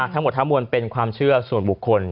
ทั้งหมดทั้งมวลเป็นความเชื่อส่วนบุคคล